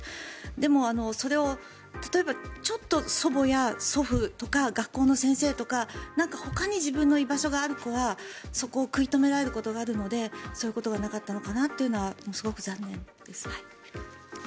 でも、それを例えばちょっと祖母や祖父とか学校の先生とかほかに自分の居場所がある子はそこを食い止められることがあるのでそういうことがなかったのかなというのはすごく残念です。